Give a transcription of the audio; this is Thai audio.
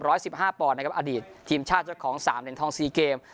สิบห้าปอนด์นะครับอดีตทีมชาติเจ้าของสามเหรียญทองสี่เกม